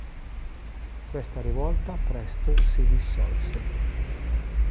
Questa rivolta presto si dissolse.